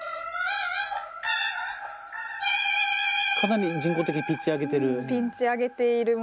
かなり人工的にピッチ上げてる。